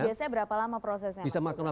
biasanya berapa lama prosesnya mbak putri